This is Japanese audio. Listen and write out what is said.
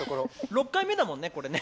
６回目だもんねこれね。